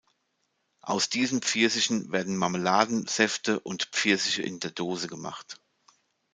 Aus diesen Pfirsichen werden Marmeladen, Säfte und Pfirsiche in der Dose gemacht.